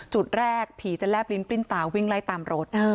จุดแรกผีจะแลบลิ้นปลิ้นตาวิ่งไล่ตามรถ